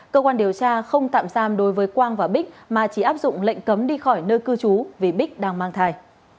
cơ quan điều tra không tạm giam đối với quang và bích mà chỉ áp dụng lệnh cấm đi khỏi nơi cư trú vì bích đang mang thai